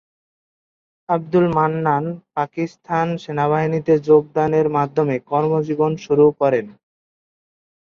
আবদুল মান্নান পাকিস্তান সেনাবাহিনীতে যোগদানের মাধ্যমে কর্মজীবন শুরু করেন।